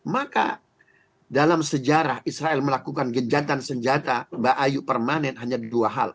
maka dalam sejarah israel melakukan genjatan senjata mbak ayu permanen hanya dua hal